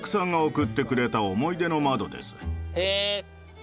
へえ。